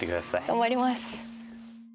頑張ります。